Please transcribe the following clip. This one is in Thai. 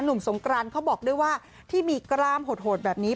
สงกรานเขาบอกด้วยว่าที่มีกล้ามโหดแบบนี้